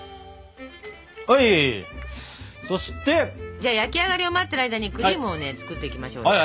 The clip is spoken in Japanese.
じゃあ焼き上がりを待ってる間にクリームをね作っていきましょう。